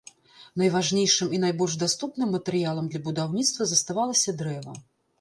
Найважнейшым і найбольш даступным матэрыялам для будаўніцтва заставалася дрэва.